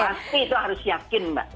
pasti itu harus yakin mbak